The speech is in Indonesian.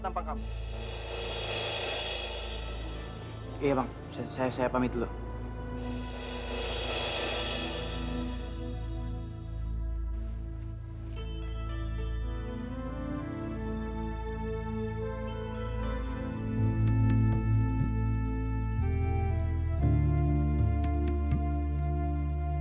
sampai jumpa di video selanjutnya